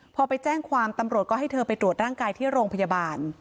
พอไปแจ้งความตำรวจก็ให้เธอไปตรวจร่างกายที่โรงพยาบาล